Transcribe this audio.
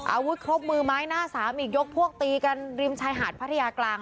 อาวุธครบมือไม้หน้าสามอีกยกพวกตีกันริมชายหาดพัทยากลาง